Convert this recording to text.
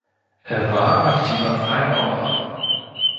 Er war aktiver Freimaurer.